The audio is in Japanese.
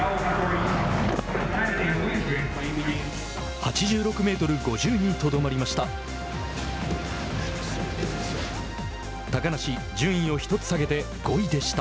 ８６メートル５０にとどまりました。